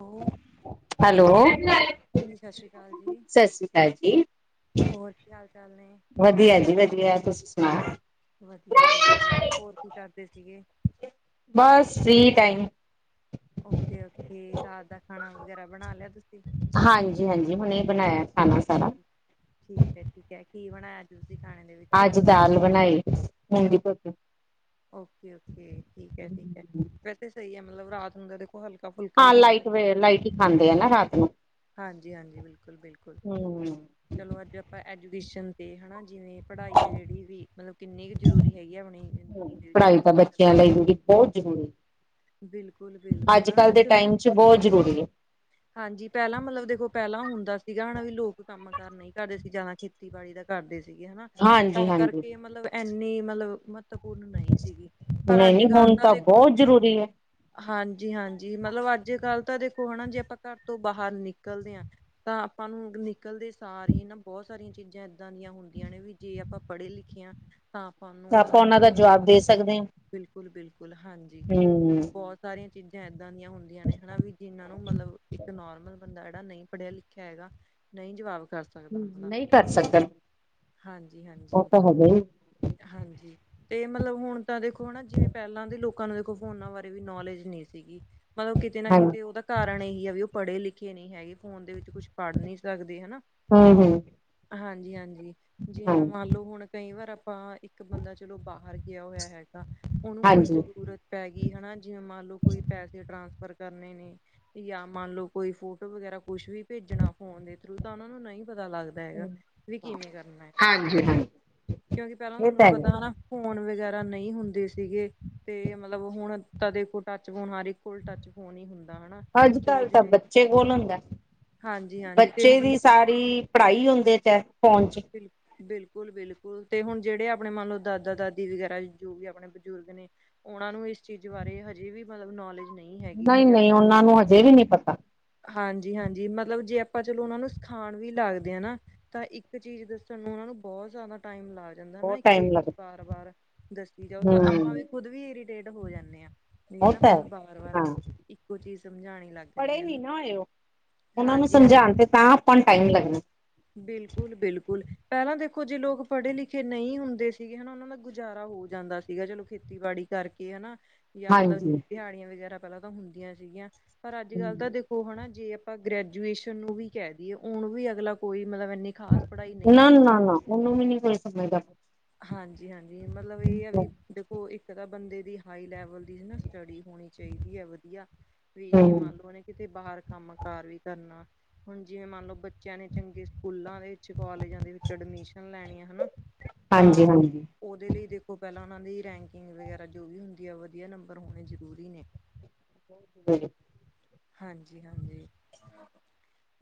ਹਾਂਜੀ ਹੈਲੋ। ਸਤਿ ਸ਼੍ਰੀ ਅਕਾਲ ਜੀ ਸ ਸ਼੍ਰੀ ਹਾਂਜੀ। ਹੋਰ ਕੀ ਹਾਲ ਚਾਲ ਨੇ ਵਧੀਆ ਜੀ ਵਧੀਆ। ਤੁਸੀਂ ਸੁਣਾਓ? ਵਧੀਆ ਜੀ ਵਧੀਆ। ਹੋਰ ਕੀ ਕਰਦੇ ਸੀਗੇ? ਬਸ ਫਰੀ ਟਾਈਮ ਓਕੇ-ਓਕੇ ਰਾਤ ਦਾ ਖਾਣਾ ਵਗੈਰਾ ਬਣਾ ਲਿਆ ਤੁਸੀਂ? ਹਾਂਜੀ-ਹਾਂਜੀ ਹੁਣੇ ਬਣਾਇਆ ਖਾਣਾ ਸਾਰਾ। ਠੀਕ ਹੈ-ਠੀਕ ਹੈ ਕੀ ਬਣਾਇਆ ਤੁਸੀਂ ਖਾਣੇ ਦੇ ਵਿੱਚ? ਅੱਜ ਦਾਲ ਬਣਾਈ ਮੁਂਗੀ ਧੌਤੀ। ਓਕੇ-ਓਕੇ ਠੀਕ ਹੈ, ਠੀਕ ਹੈ ਵੈਸੇ ਸਹੀ ਹੈ। ਮਤਲਬ ਰਾਤ ਹੁੰਦਾ ਦੇ ਹਲਕਾ-ਫੁਲਕਾ ਹਾਂ ਲਾਈਟ ਵ ਲਾਈਟ ਹੀ ਖਾਂਦੇ ਹੇਨਾ ਹਾਂਜੀ-ਹਾਂਜੀ, ਬਿਲਕੁਲ-ਬਿਲਕੁਲ ਹੂੰ। ਚਲੋ ਅੱਜ ਆਪਾਂ ਐਜੂਕੇਸ਼ਨ ਤੇ ਹੈ ਨਾਂ ਜਿਵੇਂ ਪੜ੍ਹਾਈ ਹੈ ਜਿਹੜੀ ਵੀ, ਮਤਲਬ ਕਿੰਨੀ ਕੁ ਜ਼ਰੂਰੀ ਹੈਗੀ ਆ, ਆਪਣੀ ਜ਼ਿੰਦਗੀ ਦੇ ਵਿੱਚ ਪੜ੍ਹਾਈ ਉਹਦੇ ਤਾਂ ਉੱਪਰ ਗੱਲ ਬੱਚਿਆਂ ਕਰ ਲਈ ਜਿਹੜੀ ਬਹੁਤ ਜ਼ਰੂਰੀ ਏ। ਬਿਲਕੁਲ ਅੱਜ ਬਿਲਕੁਲ ਕੱਲ ਹਨਾ ਦੇ ਚਲੋ ਟਾਈਮ ਚ, ਬਹੁਤ ਜ਼ਰੂਰੀ ਹੈ। ਹਾਂਜੀ ਪਹਿਲਾਂ ਮਤਲਬ ਦੇਖੋ, ਪਹਿਲਾਂ ਹੁੰਦਾ ਸੀਗਾ, ਹਣਾ ਵੀ ਲੋਕ ਕੰਮ ਕਾਰ ਨਹੀਂ ਕਰਦੇ ਸੀ ਜ਼ਿਆਦਾ ਖੇਤੀਬਾੜੀ ਦਾ ਕਰਦੇ ਸੀਗੇ ਹਨਾਂ, ਹਾਂਜੀ ਤਾਂ ਹਾਂਜੀ ਕਰਕੇ ਮਤਲਬ ਇੰਨੀ ਮਤਲਬ ਮਤਬ [unintelligible] ਨਹੀਂ ਸੀਗੀ ਪਰ ਨਹੀਂ ਨਹੀਂ ਅੱਜ-ਕੱਲ ਹੁਣ ਤਾਂ ਦੇਖੋ [inaudible] ਹਾਂਜੀ-ਹਾਂਜੀ, ਮਤਲਬ ਅੱਜ ਕੱਲ ਤਾਂ ਦੇਖੋ ਹੈਨਾ ਜੇ ਆਪਾਂ ਘਰ ਤੋਂ ਬਾਹਰ ਨਿਕਲਦੇ ਆ ਤਾਂ ਆਪਾਂ ਨੂੰ ਨਿਕਲਦੇ ਸਾਰ ਹੀ ਨਾ ਬਹੁਤ ਸਾਰੀਆਂ ਚੀਜ਼ਾਂ ਇੱਦਾਂ ਦੀਆਂ ਹ ਹੁੰਦੀਆਂ ਨੇ ਵੀ ਜੇ ਆਪਾਂ ਪੜ੍ਹੇ ਲਿਖੇ ਆ ਹਾਂ ਆਪਾਂ ਨੂੰ ਉਹਨਾਂ ਦਾ ਚੀਜ਼ਾਂ ਬਾਰੇ ਜਵਾਬ ਪਤਾ ਦੇ ਲੱਗਾ। ਸਕਦੇ ਬਿਲਕੁਲ ਬਿਲਕੁਲ ਹਾਂਜੀ ਹਮ ਬਹੁਤ ਸਾਰੀਆਂ ਚੀਜ਼ਾਂ ਏਦਾਂ ਦੀਆਂ ਹੁੰਦੀਆਂ ਨੇ ਹਨਾ ਵੀ ਜਿਨਾਂ ਨੂੰ ਮਤਲਬ ਨੋਰਮਲ ਬੰਦਾ ਜਿਹੜਾ ਨਹੀਂ ਪੜ੍ਹਿਆ ਲਿਖਿਆ ਹੈਗਾ। ਨਹੀਂ ਜਵਾਬ ਕਰ ਸਕ ਹਮ ਨਹੀਂ ਕਰ ਸਕਦਾ। ਹਾਂਜੀ ਹਾਂਜੀ ਉਹ ਤਾਂ ਹੈਗਾ ਹੀ ਹਾਂਜੀ। ਤੇ ਮਤਲਬ ਹੁਣ ਤਾਂ ਦੇਖੋ ਨਾ ਜਿਵੇਂ ਪਹਿਲਾਂ ਦੇ ਲੋਕਾਂ ਨੂੰ ਦੇਖੋ ਫੋਨਾਂ ਬਾਰੇ ਵੀ ਨੌਲੇਜ ਨਹੀਂ ਸੀਗੀ ਮਤਲਬ ਕਿਤੇ ਨਾ ਹਾਂਜੀ ਕਿਤੇ ਉਹਦਾ ਕਾਰਨ ਇਹੀ ਆ ਵੀ ਉਹ ਪੜ੍ਹੇ ਲਿਖੇ ਨਹੀਂ ਹੈਗੇ। ਫੋਨ ਦੇ ਵਿੱਚ ਕੁਛ ਪੜ੍ਹ ਨਈ ਸਕਦੇ ਹਨਾ ਹੂੰ, ਹੂੰ ਹਾਂਜੀ-ਹਾਂਜੀ ਜਿਵੇਂ ਹਾਂਜੀ। ਮੰਨ ਲਓ ਹੁਣ ਕਈ ਵਾਰ ਆਪਾਂ ਇੱਕ ਬੰਦਾ ਚਲੋ ਬਾਹਰ ਗਿਆ ਹੋਇਆ ਹੈਗਾ ਉਹਨੂੰ ਕੋਈ ਹਾਂਜੀ ਜ਼ਰੂਰਤ ਪੈ ਗਈ ਹਨਾ ਜਿਵੇਂ ਮੰਨ ਲਓ ਕੋਈ ਪੈਸੇ ਟ੍ਰਾਂਸਫਰ ਕਰਨੇ ਨੇ ਜਾਂ ਮੰਨ ਲਓ ਕੋਈ ਫੋਟੋ ਵਗੈਰਾ ਕੁਛ ਵੀ ਭੇਜਣਾ ਫੋਨ ਦੇ ਥਰੂ। ਤਾਂ ਉਹਨਾਂ ਨੂੰ ਨਹੀਂ ਪਤਾ ਲੱਗਦਾ ਦਾ ਹੈਗਾ ਵੀ ਕਿਵੇਂ ਕਰਨਾ- ਹਾਂਜੀ-ਹਾਂਜੀ। ਕਿਉਂਕਿ ਤੁਹਾਨੂੰ ਪਤਾ ਹਨਾ ਫੋਨ ਵਗੈਰਾ ਨਹੀਂ ਹੁੰਦੇ ਸੀਗੇ ਤੇ ਮਤਲਬ ਹੁਣ ਤਦੇ ਕੋਲ ਟੱਚ ਫੋਨ ਹਰ ਇੱਕ ਕੋਲ ਟੱਚ ਫੋਨ ਹੀ ਹੁੰਦਾ ਹਨਾ ਅੱਜ ਚਲੋ ਕੱਲ੍ਹ ਤਾਂ ਜਿਹੜੇ ਬੱਚੇ ਕੌਣ ਹੁੰਦਾ ਹਾਂਜੀ ਹਾਂ ਬੱਚੇ ਦੀ ਸਾਰੀ ਪੜ੍ਹਾਈ ਹੁੰਦੇ ਚ ਹੈ। ਫੋਨ ਚ ਬਿਲਕੁਲ-ਬਿਲਕੁਲ ਤੇ ਹੁਣ ਜਿਹੜੇ ਆਪਣੇ ਮੰਨ ਲਓ ਦਾਦਾ- ਦਾਦੀ ਵਗੈਰਾ ਜੋ ਵੀ ਆਪਣੇ ਬਜ਼ੁਰਗ ਨੇ ਉਹਨਾਂ ਨੂੰ ਇਸ ਚੀਜ਼ ਬਾਰੇ ਹਜੇ ਵੀ ਮਤਲਬ ਨੌਲੇਜ ਨਹੀਂ ਹੈਗੀ ਨਹੀਂ-ਨਹੀਂ ਉਹਨਾਂ ਨੂੰ ਹਜੇ ਵੀ ਨਹੀਂੀ ਪਤਾ ਹਾਂਜੀ-ਹਾਂਜੀ ਮਤਲਬ ਜੇ ਆਪਾਂ ਚਲੋ ਉਹਨਾਂ ਨੂੰ ਸਿਖਾਣ ਵੀ ਲੱਗਦੇ ਹ ਨਾ ਤਾਂ ਇੱਕ ਚੀਜ਼ ਦੱਸਣ ਨੂੰ ਉਹਨਾ ਨੂੰ ਬਹੁਤ ਜ਼ਿਆਦਾ ਟਾਈਮ ਲੱ ਜਾਂਦਾ ਨਾ ਬਹੁਤ ਇੱਕ ਟਾਈਮ ਚੀਜ਼ ਲੱਗਦਾ ਬਾਰ-ਬਾਰ ਦੱਸੀ ਜਾਓ ਤਾਂ ਹਮ ਆਪਾਂ ਵੀ ਖੁਦ ਵੀ ਇਰੀਟੇਟ ਹੋ ਜਾਂਦੇ ਹਾਂ ਨਹੀਂ ਹੈ ਉਹ ਨਾ ਤਾਂ ਹੈ ਵਾਰ-ਵਾਰ ਹਾਂ ਇੱਕੋ ਚੀਜ਼ ਸਮਝਾਣੀ ਲੱਗ ਰਹੀ ਪੜ੍ਹੇ ਹੈ ਨੀ ਨਾ ਹੋਏ ਉਹ ਉਹਨਾਂ ਨੂੰ ਹਾਂਜੀ ਸਮਝਾਉਣ ਤੇ ਤਾਂ ਆਪਾਂ ਨੂੰ ਟਾਈਮ ਲੱਗਣਾਂ ਬਿਲਕੁੱਲ ਬਿਲਕੁੱਲ। ਪਹਿਲਾਂ ਦੇਖੋਂ ਜੇ ਲੋਕ ਪੜੇ ਲਿਖੇ। ਜਿੱਥੇ ਨਹੀਂ ਹੁੰਦੇ ਸੀਗੇ ਹਨਾ। ਉਹਨਾਂ ਦਾ ਗੁਜ਼ਾਰਾਂ ਹੋ ਜਾਂਦਾ ਸੀਗਾ। ਚਲੋਂ ਖ਼ੇਤੀਬਾੜੀ ਕਰਕੇ ਹਨਾ। ਜਾਂ ਮੱਤਲਬ ਹਾਂਜੀ ਦਿਹਾੜੀਆਂ ਵਗ਼ੈਰਾ ਪਹਿਲਾਂ ਤਾਂ ਹੁੰਦੀਆਂ ਸੀਗੀਆਂ। ਪਰ ਅੱਜ਼ ਕੱਲ੍ਹ ਤਾਂ ਦੇਖੋਂ। ਉਹ ਹਨਾ ਜੇ ਆਪਾਂ ਗ੍ਰੈਜੂਏਸ਼ਨ ਨੂੰ ਵੀ ਕਹਿ ਦਈਏ। ਉਹਨੂੰ ਵੀ ਅਗਲਾ ਕੋਈ ਮੱਤਲਬ ਇੰਨੇਂ। ਨਾ, ਨਾ, ਨਾ ਉਹਨੂੰ ਵੀ ਨੀਂ ਕੋਈ ਸਮਝਦਾ। ਹਾਂਜੀ, ਹਾਂਜੀ ਮੱਤਲਬ ਇਹ ਆ ਵੀ। ਦੇਖੋਂ ਇੱਕ ਤਾਂ ਬੰਦੇ ਦੀ ਹਾਈ ਲੈਵਲ ਦੀ ਹਨਾ ਚੜੀ ਹੋਣੀਂ ਚਾਹੀਦੀ ਹੈਂ। ਵਧੀਆਂ ਵੀ ਜੇ ਹਮ ਮੰਨ ਲਓ ਉਹਨੇਂ ਕਿਤੇ ਬਾਹਰ ਕੰਮ ਕਾਰ ਵੀ ਕਰਨਾਂ। ਹੁਣ ਜਿਵੇਂ ਮੰਨ ਲਓ ਬੱਚਿਆਂ ਨੇਂ ਚੰਗੇ ਸਕੂਲ਼ਾਂ ਵਿੱਚ ਕਾਲਜਾਂ ਦੇ ਵਿੱਚ ਅਡਮਿਸ਼ਨ ਲੈਂਣੀ ਆ। ਹਨਾ ਹਾਂਜੀ ਤਾਂ। ਹਾਂਜੀ ਉਹਦੇ ਲਈ ਦੇਖੋਂ ਪਹਿਲਾਂ ਉਹਨਾਂ ਦੀ ਰੈਂਕਿੰਗ ਵਗ਼ੈਰਾ ਜੋ ਵੀ ਹੁੰਦੀਂ ਆ ਵਧੀਆਂ ਨੰਬਰ ਹੋਣੇਂ ਜ਼ਰੂਰੀ ਨੇਂ। [inaudible] [unintelligible] ਹਾਂਜੀ-ਹਾਂਜੀ।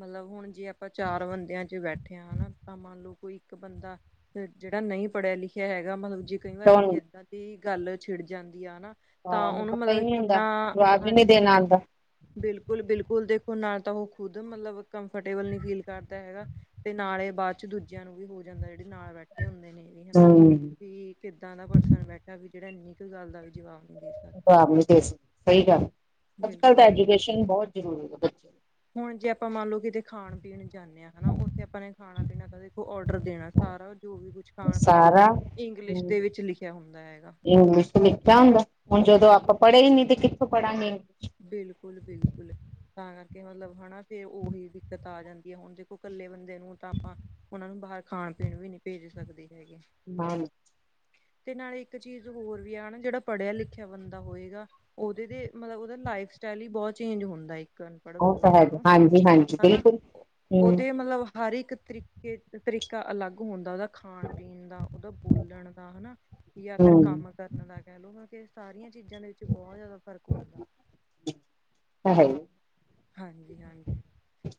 ਮਤਲਬ ਹੁਣ ਜੇ ਆਪਾਂ ਚਾਰ ਬੰਦਿਆਂ ਚ ਬੈਠੇ ਉਠਿਆਂ ਹਨਾ ਤਾਂ ਮੰਨ ਲਓ ਕੋਈ ਇੱਕ ਬੰਦਾਂ ਜਿਹੜਾਂ ਨਹੀਂ ਪੜ੍ਹਿਆ ਲਿਖਿਆਂ ਹੈਗਾ ਮੱਤਲਬ ਜੇ ਕਈ ਵਾਰ ਕੋਈ ਏਦਾਂ ਦੀ ਗੱਲ਼ ਛਿੜ ਜਾਂਦੀ ਆ ਨਾ। ਤਾਂ ਉਹਨੂੰ ਪਤਾ ਹੀ ਮੱਤਲਬ ਨਹੀਂ ਹੁੰਦਾ ਕਿੰਨਾਂ। ਜਵਾਬ ਵੀ ਨੀ ਹਾਂਜੀ ਦੇਣਾ ਆਉਂਦਾ ਬਿਲਕੁੱਲ ਬਿਲਕੁੱਲ ਦੇਖੋਂ ਨਾ ਤਾਂ ਉਹ ਖ਼ੁਦ ਮੱਤਲਬ ਕੰਫਰਟੇਬਲ ਨ੍ਹੀਂ ਫੀਲ ਕਰਦਾਂ ਹੈਗਾ। ਤੇ ਨਾਲ਼ੇ ਬਾਅਦ ਚ ਦੂਜਿਆਂ ਨੂੰ ਵੀ ਹੋ ਜਾਂਦਾਂ। ਜਿਹੜੇ ਨਾਲ਼ ਬੈਠੇਂ ਹੁੰਦੇ ਨੇਂ ਵੀ ਹਨਾ ਹਮ ਵੀ। ਕਿੱਦਾਂ ਦਾ ਪਰਸਨ ਬੈਠਾਂ ਵੀ ਜਿਹੜਾਂ ਇੰਨੀ ਕ ਗੱਲ਼ ਦਾ ਵੀ ਜਵਾਬ ਨ੍ਹੀਂ ਦੇ। ਸਕਦਾ ਜਵਾਬ ਨੀਂ ਦੇ ਸਕਦਾਂ। ਸਹੀ ਗੱਲ਼ ਅੱਜ਼ ਕੱਲ੍ਹ ਤਾਂ ਬਿਲਕੁਲ ਬਿਲਕੁਲ ਐਜੂਕੇਸ਼ਨ ਬਹੁਤ ਜ਼ਰੂਰੀ ਹੈਂ। ਬੱਚਿਆਂ ਹੁਣ ਜੇ ਆਪਾਂ ਮੰਨ ਲਓ ਕਿਤੇ ਖਾਣ ਪੀਣ ਜਾਂਨੇ ਹਾ ਹਨਾ ਉੱਥੇ ਆਪਾਂ ਨੇਂ ਖਾਣਾਂ ਪੀਣਾਂ ਤਾਂ ਦੇਖੋ ਓਡਰ ਦੇਣਾ ਸਾਰਾ ਜ਼ੋ ਵੀ ਕੁੱਛ ਖਾਣ ਪੀਣ ਦਾ ਸਾਰਾ ਇੰਗਲਿਸ਼ ਦੇ ਵਿੱਚ ਲਿਖਿਆਂ ਹੁੰਦਾਂ ਹੈਗਾ। ਇੰਗਲਿਸ਼ ਚ ਲਿਖਿਆਂ ਹੁੰਦਾਂ ਹੁਣ ਜਦੋਂ ਹਾਂਜੀ ਆਪਾਂ ਪੜ੍ਹੇ ਹੀ ਨੀਂ ਤੇ ਕਿੱਥੋਂ ਪੜਾਂਗੇ। ਬਿਲਕੁੱਲ ਬਿਲਕੁੱਲ। ਤਾਂ ਕਰਕੇ ਮੱਤਲਬ ਹਨਾ। ਤੇ ਉਹੀ ਦਿੱਕਤ ਆ ਜਾਂਦੀ ਹੈਂ। ਹੁਣ ਦੇਖੋਂ ਇਕੱਲੇ ਬੰਦੇ ਨੂੰ ਤਾਂ ਆਪਾਂ। ਉਹਨਾਂ ਨੂੰ ਬਾਹਰ ਖਾਣ ਪੀਣ ਵੀ ਨੀਂ ਭੇਜ ਸਕਦੇ ਹੈਗੇ। ਹਾਂਜੀ। [inaudible] ਤੇ ਨਾਲ਼ੇ ਇੱਕ ਚੀਜ਼ ਹੋਰ ਵੀ ਆ ਨਾ ਜਿਹੜਾਂ ਪੜ੍ਹਿਆ ਲਿਖਿਆਂ ਬੰਦਾਂ ਹੋਏਗਾ। ਉਹਦੇ ਦੇ ਮੱਤਲਬ ਉਹਦਾ ਲਾਈਫ ਸਟਾਇਲ ਹੀ ਬਹੁਤ ਚੇਂਜ ਹੁੰਦਾਂ ਹੈਂ। ਅਨਪੜ੍ਹ ਉਹ ਤਾਂ ਬੰਦੇ ਹੈਗਾ ਨਾਲ਼ੋਂ ਹਾਂਜੀ ਹਾਂਜੀ ਹਨਾ। ਬਿਲਕੁਲ ਹਮ ਉਹਦੇ ਮੱਤਲਬ ਹਰ ਇੱਕ ਤਰੀਕ਼ੇ। ਇੱਕ ਤਰੀਕਾਂ ਅਲੱਗ ਹੁੰਦਾਂ ਉਹਦਾ। ਖਾਣ ਪੀਣ ਦਾ ਉਹਦਾ ਬੋਲਣ ਦਾ ਹਨਾ। ਵੀ ਜਾਂ ਫ਼ਿਰ ਹਮ ਕੰਮ। ਕਰਨ ਦਾ ਕਹਿ ਲਓ ਕਿ ਸਾਰੀਆਂ ਚੀਜ਼ਾਂ ਦੇ ਵਿੱਚ ਬਹੁਤ ਜਾਦਾ ਫ਼ਰਕ ਹੁੰਦਾ। ਹੈ ਹੀ। ਹਾਂਜੀ-ਹਾਂਜੀ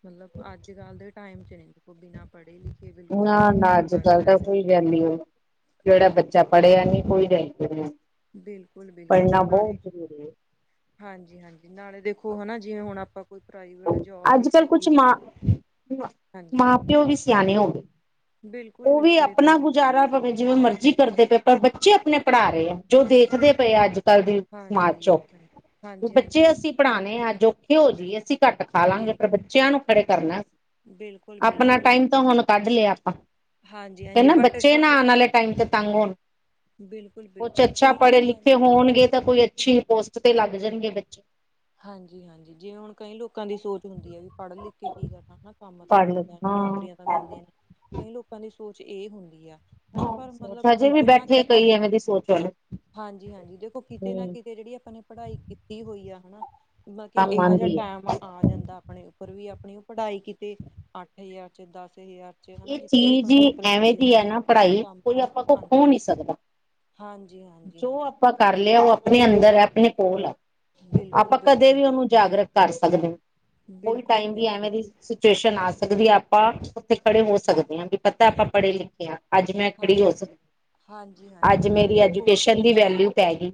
ਮੱਤਲਬ ਅੱਜ ਕੱਲ੍ਹ ਦੇ ਟਾਇਮ ਚ [unintelligible] ਉਹ ਬਿਨ੍ਹਾਂ ਪੜ੍ਹੇ ਲਿੱਖੇ ਬਿਲਕੁੱਲ ਨਾ ਵੀ ਨੀ ਨਾ ਕਰ ਅੱਜ ਕੱਲ ਸਕਦਾਂ ਤਾਂ ਹੈਗਾ ਹਾਂਜੀ। ਪੜਿਆ ਨੀ ਕੋਈ [unintelligible] ਨੀਂ। ਬਿਲਕੁਲ-ਬਿਲਕੁਲ ਨਾਲੇ ਹੈ ਹਾਂਜੀ-ਹਾਂਜੀ ਨਾਲੇ ਦੇਖੋਂ ਹਨਾ ਜਿਵੇਂ ਹੁਣ ਆਪਾਂ ਕੋਈ ਪ੍ਰਾਈਵੇਟ ਜੋਬ ਅੱਜ ਵੀ ਕੱਲ ਕੁਛ [unintelligible] ਹਾਂਜੀ। ਕਿ ਉਹ ਵੀ ਸਿਆਣੇਂ ਹੋ ਗਏ ਬਿਲਕੁਲ ਉਹ ਵੀ ਬਿਲਕੁਲ ਇਹ ਤਾਂ ਆਪਣਾ ਗੁਜ਼ਾਰਾ ਭਾਵੇਂ ਜਿਵੇਂ ਮਰਜ਼ੀ ਕਰਦੇਂ ਪਏ ਪਰ ਬੱਚੇ ਆਪਣੇਂ ਪੜ੍ਹਾ ਰਹੇਂ ਆ ਜੋ ਦੇਖਦੇ ਪਏ ਆ ਅੱਜ ਕੱਲ ਦੀ ਸਮਾਜ ਹਾਂਜੀ ਚੋ ਹਾਂਜੀ ਵੀ ਹਾਂਜੀ ਹਾਂਜੀ ਬੱਚੇ ਅਸੀ ਪੜਾਣੇ ਹੈ ਅੱਜ਼ ਔਖ਼ੇ ਹੋ ਜਾਈਏ ਅਸੀਂ ਘੱਟ ਖਾ ਲਾਂਗੇ ਪਰ ਬਿਲਕੁਲ ਬੱਚਿਆਂ ਨੂੰ ਖੜੇ ਕਰਨਾ, ਆਪਣਾ ਬਿਲਕੁਲ-ਬਿਲਕੁਲ, ਟਾਈਮ ਤਾਂ ਹੁਣ ਕੱਢ ਲਿਆ ਆਪਾ। ਕਿ ਹਾਂਜੀ-ਹਾਂਜੀ ਨਾ ਬਟ ਬੱਚੇ ਨਾ ਆਨ ਆਲੇ ਟਾਈਮ ਤੇ ਤੰਗ ਹੋਣ। ਕੁਛ ਬਿਲਕੁਲ-ਬਿਲਕੁਲ ਅੱਛਾ ਕਈ ਪੜ੍ਹੇ ਲੋਕਾਂ ਦੀ ਲਿਖੇ ਹੋਣਗੇ, ਤਾਂ ਕੋਈ ਅੱਛੀ ਪੋਸਟ ਤੇ ਲੱਗ ਜਾਣਗੇ ਬੱਚੇ। ਹਾਂਜੀ-ਹਾਂਜੀ, ਜਿਵੇਂ ਹੁਣ ਕਈ ਲੋਕਾਂ ਦੀ ਸੋਚ ਹੁੰਦੀ ਆ ਵੀ ਪੜ ਲਿਖ ਕੇ ਕੀ ਕਰਨਾ ਹਨਾ ਕੰਮ ਤਾਂ ਪੜ੍ਹਨ ਮਿਲਦਾ ਨੀ ਨੌਕਰੀਆਂ ਤਾਂ ਹਾਂ ਮਿਲਦੀਆਂ ਨੀ। ਕਈ ਲੋਕਾਂ ਦੀ ਸੋਚ ਇਹ ਹੁੰਦੀ ਐ, ਹਨਾ ਪਰ ਸੋਚ ਮਤਲਬ ਹਜੇ ਵੀ ਕਿਤੇ ਨਾ ਬੈਠੇ ਕਿਤੇ ਕਈ ਐਵੇਂ ਦੀ ਸੋਚ ਵਾਲੇ ਹਾਂਜੀ-ਹਾਂਜੀ ਦੇਖੋ ਕਿਤੇ ਨਾ ਹਮ ਕਿਤੇ ਜਿਹੜੀ ਆਪਾਂ ਨੇ ਪੜ੍ਹਾਈ ਕੀਤੀ ਹੋਈ ਆ ਹਨਾ ਮ ਕਿ ਕੰਮ ਇਹੋ ਜਾ ਆਉਂਦੀ ਹੈ ਟੈਮ ਆ ਆ ਜਾਂਦਾ ਆਪਣੇ ਉੱਪਰ ਵੀ, ਆਪਣੀ ਉਹ ਪੜ੍ਹਾਈ ਕਿਤੇ ਅੱਠ ਹਜ਼ਾਰ ਚ, ਦਸ ਹਜ਼ਾਰ ਚ ਹਨਾ ਇਹ ਜਿੱਥੇ ਵੀ ਆਪਾਂ ਚੀਜ਼ ਨੂੰ ਹੀ ਨੌਕਰੀ ਐਵੇਂ ਮਿਲਦੀ ਹੈ ਦੀ ਐ ਨਾ ਪੜ੍ਹਾਈ, ਕੋਈ ਆਪਾਂ ਕੋਲ ਖੋ ਨਹੀਂ ਸਕਦਾ। ਹਾਂਜੀ-ਹਾਂਜੀ। ਜੋ ਆਪਾਂ ਕਰ ਲਿਆ ਉਹ ਆਪਣੇ ਅੰਦਰ ਐ ਆਪਣੇ ਕੋਲ ਐ। ਬਿਲਕੁਲ ਆਪਾਂ ਕਦੇ ਬਿਲਕੁਲ ਵੀ ਉਹਨੂੰ ਜਾਗਰਕ ਕਰ ਸਕਦੇ, ਕੋਈ ਬਿਲਕੁਲ ਟਾਈਮ ਵੀ ਬਿਲਕੁਲ ਐਵੇਂ ਦੀ ਸਿਚੁਏਸ਼ਨ ਆ ਸਕਦੀ ਐ, ਆਪਾਂ ਉੱਥੇ ਖੜੇ ਹੋ ਸਕਦੇ ਹਾਂ, ਵੀ ਪਤਾ ਆਪਾਂ ਪੜ੍ਹੇ ਲਿਖੇ ਹਾਂ। ਅੱਜ਼ ਮੈਂ ਹਾਂ ਖੜ੍ਹੀ ਹੋ ਸਕੀ, ਹਾਂਜੀ ਹਾਂਜੀ ਅੱਜ਼ ਨਾਲੇ ਮੇਰੀ ਐਜੂਕੇਸ਼ਨ ਦੀ ਵੈਲਿਊ ਪੈ ਗੀ।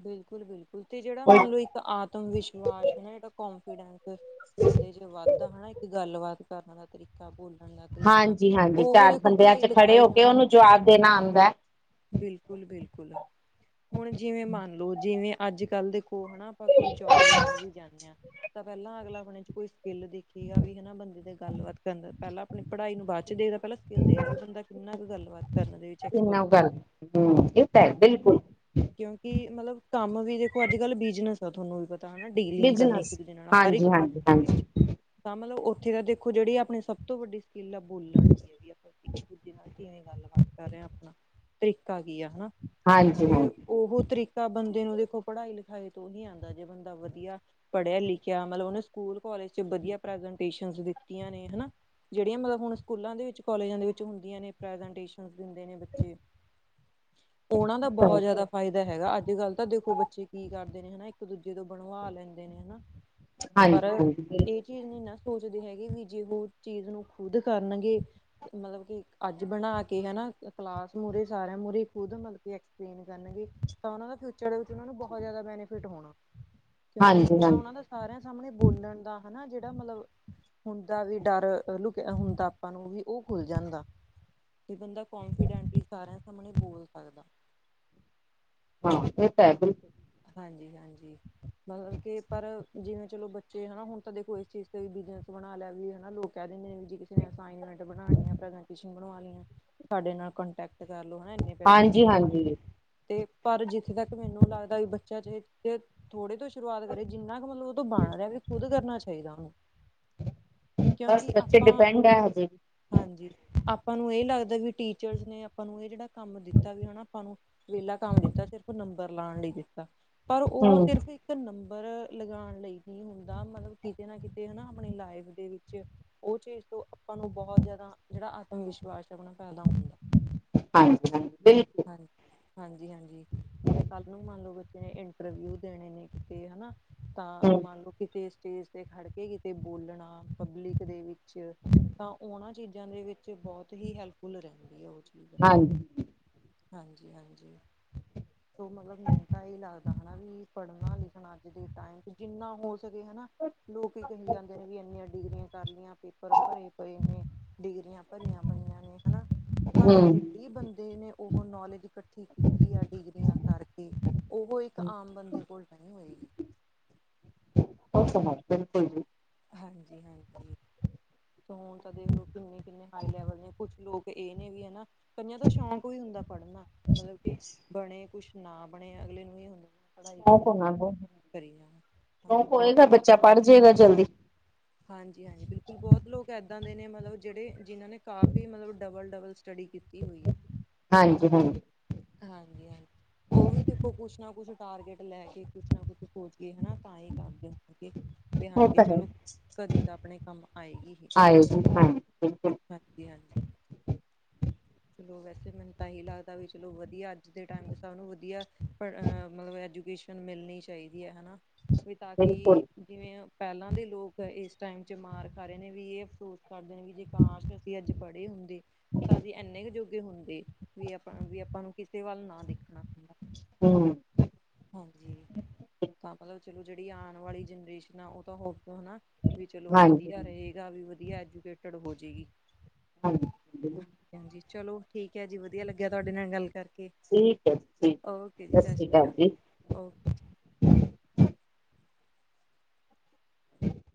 ਬਿਲਕੁੱਲ-ਬਿਲਕੁੱਲ ਤੇ ਜਿਹੜਾਂ ਮੰਨ ਲਓ ਇੱਕ ਆਤਮ ਵਿਸ਼ਵਾਸ ਹੈ ਜਿਹੜਾ ਕੋਂਫੀਡੈਂਸ ਬੰਦੇ ਚ ਵੱਧਦਾ ਹਨਾ ਇੱਕ ਗੱਲਬਾਤ ਕਰਨ ਦਾ ਤਰੀਕਾਂ ਬੋਲਣ ਦਾ ਤਰੀਕਾਂ ਹਾਂਜੀ ਹਾਂਜੀ ਉਹ ਚਾਰ ਦੇਖੋਂ ਬੰਦਿਆਂ ਪੜ੍ਹਾਈ ਚ ਖੜੇ ਲਿਖਾਈ ਹੋ ਕੇ ਨਾਲ ਹੀ ਉਹਨੂੰ ਆਦਾ। ਜਵਾਬ ਦੇਣਾ ਆਉਂਦਾ। ਬਿਲਕੁੱਲ-ਬਿਲਕੁੱਲ ਹੁਣ ਜਿਵੇਂ ਮੰਨ ਲਓ ਜਿਵੇਂ ਅੱਜ਼ ਕੱਲ ਦੇ ਉਹ ਹਨਾ ਆਪਾਂ ਕੋਈ ਜੋਬ ਲੈਣ ਵੀ ਜਾਨੇ ਹਾ। ਤਾ ਪਹਿਲਾ ਅਗਲਾ ਆਪਣੇ ਚ ਕੋਈ ਸਕਿੱਲ ਦੇਖੇਂਗਾ ਵੀ ਹਨਾ ਬੰਦੇ ਦੇ ਗੱਲਬਾਤ ਕਰਨ ਦਾ ਪਹਿਲਾਂ ਆਪਣੀਂ ਪੜ੍ਹਾਈ ਨੂੰ ਬਾਅਦ ਚ ਦੇਖਦਾ ਪਹਿਲਾ ਸਕਿੱਲ ਦੇਖਦਾ ਵੀ ਬੰਦਾ ਕਿੰਨਾ ਕੁ ਗੱਲਬਾਤ ਕਰਨ ਦੇ ਵਿੱਚ ਇਨਾ ਐਕਸਪਰਟ ਐ। ਗੱਲ ਹਮ ਇਹ ਤਾਂ ਹੈ ਬਿਲਕੁਲ ਕਿਉਂਕਿ ਮਤਲਬ ਕੰਮ ਵੀ ਦੇਖੋ ਅੱਜ- ਕੱਲ ਬਿਜਨਸ ਆ ਥੋਨੂੰ ਤਾ ਨਾ ਡੀਲਿੰਗ ਕਰਨੀ ਇੱਕ ਬਿਜਨਸ ਦੂਜੇ ਨਾਲ ਹਰ ਹਾਂਜੀ ਇੱਕ ਕੰਮ ਹਾਂਜੀ ਦੇ ਹਾਂਜੀ ਵਿੱਚ। ਤਾ ਮਤਲਬ ਉੱਥੇ ਤਾ ਦੇਖੋ ਜਿਹੜੀ ਆਪਣੀ ਸਭ ਤੋਂ ਵੱਡੀ ਸਕਿੱਲ ਆ ਬੋਲਣ ਦੀ ਆ ਵੀ ਆਪਾਂ ਇੱਕ ਦੂਜੇ ਨਾਲ ਕਿਵੇਂ ਗੱਲਬਾਤ ਕਰ ਰਏ ਆਪਣਾ, ਤਰੀਕਾ ਕੀ ਆ ਹਨਾ, ਹਾਂਜੀ ਤੇ ਉਹ ਤਰੀਕਾ ਬੰਦੇ ਨੂੰ ਵੇਖੋ ਪੜ੍ਹਾਈ ਲਿਖਾਈ ਤੋਂ ਨੀ ਆਂਦਾ, ਜੇ ਬੰਦਾ ਵਧੀਆ ਪੜ੍ਹਿਆ ਲਿਖਿਆ ਮਤਲਬ, ਉਹਨੇ ਸਕੂਲ ਕੋਲਜ ਚ ਵਧੀਆ ਪ੍ਰਜ਼ੈਟੇਸ਼ਨ ਦਿੱਤੀਆਂ ਨੇ ਹਨਾ। ਜਿਹੜੀਆਂ ਮਤਲਬ ਹੁਣ ਸਕੂਲਾਂ ਦੇ ਵਿੱਚ, ਕੋਲਜਾਂ ਦੇ ਵਿੱਚ ਹੁੰਦੀਆਂ ਨੇ, ਪ੍ਰਜੈਟੇਸ਼ਨ ਦਿੰਦੇ ਨੇ ਬੱਚੇ। ਉਹਨਾਂ ਦਾ ਬੋਹਤ ਹਾਂਜੀ ਜਾਦਾ ਦਾ ਹੈਗਾ ਅੱਜ-ਕੱਲ ਤਾਂ ਦੇਖੋ ਬੱਚੇ ਕੀ ਕਰਦੇ ਨੇ ਹਨਾ ਇੱਕ ਦੂਜੇ ਤੋਂ ਬਣਵਾ ਲੈਂਦੇ ਨੇ ਹਨਾ। ਪਰ ਹਾਂਜੀ ਹਾਂਜੀ ਬਿਲਕੁਲ ਇਹ ਚੀਜ਼ ਨੀ ਨਾ ਸੋਚਦੇ ਹੈਗੇ ਵੀ ਜੇ ਉਹ ਚੀਜ਼ ਨੂੰ ਖੁਦ ਕਰਨਗੇ ਮਤਲਬ ਕਿ ਅੱਜ ਬਣਾ ਕੇ ਹਨਾ ਕਲਾਸ ਮੂਹਰੇ ਸਾਰਿਆਂ ਮੂਹਰੇ ਖੁਦ ਮਤਲਬ ਕਿ ਐਕਸਪਲੇਨ ਕਰਨਗੇ। ਤਾਂ ਉਹਨਾ ਦਾ ਫਿਊਚਰ ਦੇ ਵਿੱਚ ਉਹਨਾਂ ਨੂੰ ਬਹੁਤ ਜ਼ਿਆਦਾ ਬੈਨੀਫਿਟ ਹੋਣਾ, ਕਿਉਂਕਿ ਹਾਂਜੀ ਇੱਕ ਤਾਂ ਹਾਂਜੀ ਉਹਨਾਂ ਦਾ ਸਾਰਿਆਂ ਸਾਹਮਣੇ ਬੋਲਣ ਦਾ ਹਨਾ, ਜਿਹੜਾ ਮਤਲਬ ਹੁੰਦਾ ਵੀ ਡਰ ਲੁਕਿਆ ਹੁੰਦਾ ਆਪਾ ਨੂੰ ਵੀ ਉਹ ਖੁੱਲ ਜਾਂਦਾ ਤੇ ਬੰਦਾ ਕੋਂਨਫੀਡੈਂਟਲੀ ਸਾਰਿਆਂ ਸਾਹਮਣੇ ਬੋਲ ਸਕਦਾ। ਹਾਂ ਇਹ ਤਾ ਹੈ ਬਈ। ਹਾਂਜੀ-ਹਾਂਜੀ। ਮਤਲਬ ਕਿ ਪਰ ਜਿਵੇਂ ਚਲੋ ਬੱਚੇ ਹਨਾ, ਹੁਣ ਤਾਂ ਦੇਖੋ ਇਸ ਚੀਜ਼ ਤੇ ਵੀ ਬਿਜਨਸ ਬਣਾ ਲਿਆ ਵੀ ਹਨਾ, ਲੋਕ ਕਹਿ ਦਿੰਦੇ ਨੇ ਵੀ ਜੀ ਕਿਸੇ ਨੇ ਅਸਾਈਨਮੈਂਟ ਬਣਾਣੀ ਐ, ਪ੍ਰੈਜੈਂਟੇਸ਼ਨ ਬਣਵਾਣੀ ਆ, ਸਾਡੇ ਨਾਲ ਕੰਟੈਕਟ ਕਰਲੋ ਹੈ ਨਾ ਇੰਨੇ ਪੈਸਿਆਂ ਦੇ ਹਾਂਜੀ ਬਣਵਾਲੋੋ ਹਾਂਜੀ ਤੇ ਪਰ ਜਿੱਥੇ ਤੱਕ ਮੈਨੂੰ ਲੱਗਦਾ ਕਿ ਬੱਚਾ ਜੇ ਚ ਥੋੜੇ ਤੋਂ ਸ਼ੁਰੂਆਤ ਕਰੇ, ਜਿੰਨਾ ਕੁ ਮਤਲਬ ਉਹਦੇ ਤੋਂ ਬਣ ਰਯਾ ਵੀ ਖੁਦ ਕਰਨਾ ਚਾਹੀਦਾ ਉਹਨੂੰ। ਬਸ ਕਿਉਂਕਿ ਬੱਚੇ ਆਪਾਂ ਡਿਪੈਂਡ ਐ ਹਜੇ ਵੀ। ਹਾਂਜੀ, ਆਪਾਂ ਨੂੰ ਇਹ ਲੱਗਦਾ ਵੀ ਟੀਚਰਜ਼ ਨੇ ਆਪਾਂ ਨੂੰ ਇਹ ਜਿਹੜਾ ਕੰਮ ਦਿੱਤਾ, ਵੀ ਹਨਾ ਆਪਾਂ ਨੂੰ ਵਿਹਲਾ ਕੰਮ ਦਿੱਤਾ ਸਿਰਫ਼ ਨੰਬਰ ਲਾਣ ਲਈ ਦਿੱਤਾ, ਪਰ ਉਹ ਹਮ ਸਿਰਫ ਇੱਕ ਨੰਬਰ ਲਗਾਣ ਲਈ ਨੀ ਹੁੰਦਾ, ਮਤਲਬ ਕਿਤੇ ਨਾ ਕਿਤੇ ਹਨਾ ਆਪਣੀ ਲਾਈਫ ਦੇ ਵਿੱਚ ਓ ਚੀਜ਼ ਤੋਂ ਆਪਾਂ ਨੂੰ ਬੋਹਤ ਜਾਦਾ ਜੇੜਾ ਆਤਮ ਵਿਸ਼ਵਾਸ ਹੈ ਓ ਪੈਦਾ ਹੁੰਦਾ। ਹਾਂਜੀ-ਹਾਂਜੀ ਬਿਲਕੁਲ। ਹਾਂ, ਹਾਂਜੀ-ਹਾਂਜੀ ਜਿਵੇਂ ਕੱਲ ਨੂੰ ਮੰਨ ਲੋੋਗੇ ਜਿਵੇਂ ਇੰਟਰਵਿਊ ਦੇਣੇ ਨੇ ਕਿਤੇ ਹਨਾ ਤਾਂ ਹਮ ਮੰਨ ਲਓ ਕਿਤੇ ਸਟੇਜ ਤੇ ਖੜ ਕੇ ਕਿਤੇ ਬੋਲਣਾ ਪਬਲਿਕ ਦੇ ਵਿੱਚ ਤਾਂ ਉਹਨਾਂ ਚੀਜ਼ਾਂ ਦੇ ਵਿੱਚ ਬੋਤ ਹੀ ਹੈਲਪਫੁੱਲ ਰਹਿੰਦੀ ਹੈ ਓ ਚ ਹਾਂਜੀ। ਹਾਂਜੀ-ਹਾਂਜੀ, ਓ ਮਤਲਬ ਮੈਂ ਲਦਾ ਹਨਾ ਵੀ ਪੜ੍ਹਨਾ ਲਿਖਣਾ ਅੱਜ ਦੇ ਟਾਈਮ ਚ ਜਿੰਨਾ ਹੋ ਸਕੇ ਹਨਾ ਲੋਕ ਹੀ ਕਹੀ ਜਾਂਦੇ ਨੇ ਵੀ ਇੰਨੀਆਂ ਡਿਗਰੀਆਂ ਕਰ ਲਈਆਂ ਪੇਪਰ ਭਰੇ ਪਏ ਨੇ। ਡਿਗਰੀਆਂ ਭਰੀਆਂ ਪਈਆਂ ਨੇ ਹਨਾ ਪਰ ਹਮ ਜੇ ਕੀ ਬੰਦੇ ਨੇ ਉਹ ਨੌਲੇਜ ਇਕੱਠੀ ਕੀਤੀ ਆ ਡਿਗਰੀਆਂ ਕਰਕੇ ਉਹ ਇਕ ਆਮ ਬਦੇ ਕੋਲ ਤਾਂ ਨੀ ਹੋਏਗੀ। ਓਕੇ ਮੈਡਮ, ਬਿਲਕੁਲ ਜੀ। ਹਾਂਜੀ-ਹਾਂਜੀ। ਹੁਣ ਤਾਂ ਦੇਖਲੋ ਕਿਨੇ-ਕਿਨੇ ਹਾਈ ਲੈਵਲ ਨੇ, ਕੁਛ ਲੋਕ ਇਹ ਨੇ ਵੀ ਹਨਾ ਕਈਆਂ ਤਾਂ ਸ਼ੌਕ ਹੀ ਹੁੰਦਾ ਪੜ੍ਹਨਾ, ਮਤਲਬ ਕੇ ਬਣੇ ਕੁਛ ਨਾ ਬਣੇ ਅਗਲੇ ਨੂੰ ਇਹ ਹੁੰਦਾ। ਪੜ੍ਹਾਈ ਸ਼ੌਕ ਕਰੀ, ਹੋਣਾ ਬਹੁਤ ਕਰੀ ਜਾਣਾ, ਹਾਂਜੀ ਬੋਤ ਲੋਕ ਪੜ ਜੇਗਾ ਜਲਦੀ। ਹਾਂਜੀ-ਹਾਂਜੀ ਬਿਲਕੁਲ ਬੋਤ ਲੋਕ ਏਦਾਂ ਦੇ ਨੇ, ਮਤਲਬ ਜਿਹੜੇ ਜਿਨਾਂ ਨੇ ਕਾਫ਼ੀ ਮਤਲਬ ਡਬਲ-ਡਬਲ ਸਟੱਡੀ ਕੀਤੀ। ਹਾਂਜੀ-ਹਾਂਜੀ। ਹਾਂਜੀ-ਹਾਂਜੀ। ਉਹ ਵੀ ਦੇਖੋ ਕੁਛ ਨਾ ਕੁਛ ਟਾਰਗੇਟ ਲੈ ਕੇ, ਕੁਛ ਨਾ ਕੁਛ ਸੋਚ ਕੇ ਹਨਾ ਤਾਂ ਹੀ ਕਰਦੇ ਨੇ ਹੈਗੇ। ਕੇ ਉਹ ਹਾਂਜੀ ਤਾਂ ਹੈ ਚਲੋ, ਕਦੀ ਤਾਂ ਆਪਣੇ ਕੰਮ ਆਏਗੀ ਹੀ। ਹਾਂ ਬਿਲਕੁਲ। [unintelligible] ਹਾਂਜੀ। ਚਲੋ ਵੈਸੇ ਮੈਨੂੰ ਤਾਂ ਏਹੀ ਲੱਗਦਾ ਵੀ ਚਲੋ ਵਧੀਆ, ਅੱਜ ਦੇ ਟਾਈਮ ਤੇ ਸਭ ਨੂੰ ਵਧੀਆ ਆ ਮਤਲਬ ਐਜੂਕੇਸ਼ਨ ਮਿਲਨੀ ਚਾਹੀਦੀ ਐ ਹਨਾ। ਵੀ ਤਾਂ ਕਿ ਬਿਲਕੁਲ ਜਿਵੇਂ ਪਹਿਲਾਂ ਦੇ ਲੋਕ ਇਸ ਟਾਈਮ 'ਚ ਮਾਰ ਖਾ ਰਹੇ ਨੇ ਵੀ ਏ ਅਸੋਸ ਕਰਦੇ ਨੇ ਵੀ ਜੇ ਕਾਸ਼ ਅਸੀਂ ਅੱਜ ਪੜ੍ਹੇ ਹੁੰਦੇ ਤਾਂ ਅਸੀਂ ਇੰਨੇ ਕੁ ਜੋਗੇ ਹੁੰਦੇ ਵੀ ਆਪਾਂ ਵੀ ਆਪਾਂ ਨੂੰ ਕਿਸੇ ਵੱਲ ਨਾ ਦੇਖਣਾ ਹੂੰ। ਹਾਂਜੀ ਤਾਂ ਮਤਲਬ ਚਲੋ ਜਿਹੜੀ ਆਣ ਵਾਲੀ ਜਨਰੇਸ਼ਨ ਆ ਉਹ ਤਾਂ ਹੋਵੇ ਹਨਾ ਵੀ ਚਲੋ ਵਧੀਆ ਹਾਂਜੀ ਰਹੇਗਾ, ਵੀ ਵਧੀਆ ਐਜੂਕੇਟਡ ਹੋ ਜੇਗੀ। ਹਾਂਜੀ। [unintelligible] ਹਾਂਜੀ ਚਲੋ ਠੀਕ ਹੈ ਜੀ, ਵਧੀਆ ਲਗਿਆ ਤੁਹਾਡੇ ਨਾਲ ਗੱਲ ਕਰਕੇ। ਠੀਕ ਹੈ ਜੀ, ਸਤਿ ਸ਼੍ਰੀ ਅਕਾਲ ਜੀ। ਓ [inaudible]